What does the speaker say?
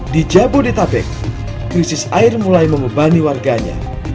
di jabodetabek krisis air mulai membebani warganya